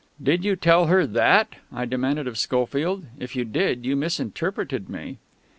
"Did you tell her that?" I demanded of Schofield. "If you did, you misinterpreted me."